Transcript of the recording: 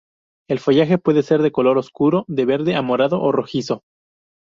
El follaje puede ser de color oscuro, de verde a morado o rojizo.